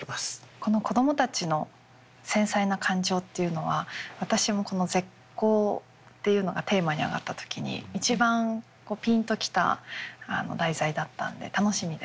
この子供たちの繊細な感情っていうのは私もこの絶交っていうのがテーマに上がった時に一番ピンと来た題材だったんで楽しみです。